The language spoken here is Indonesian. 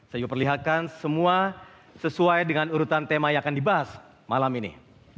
saya juga perlihatkan semua sesuai dengan urutan tema yang akan dibahas malam ini